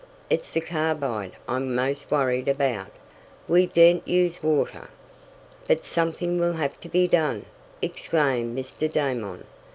It's the carbide I'm most worried about. We daren't use water." "But something will have to be done!" exclaimed Mr. Damon.